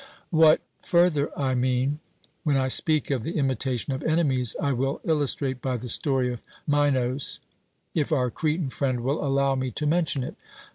What further I mean, when I speak of the imitation of enemies, I will illustrate by the story of Minos, if our Cretan friend will allow me to mention it.